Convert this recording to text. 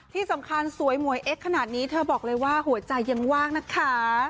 ที่สำคัญสวยหมวยเอ็กซ์ขนาดนี้เธอบอกเลยว่าหัวใจยังว่างนะคะ